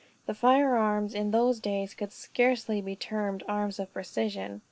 The firearms in those days could scarcely be termed arms of precision.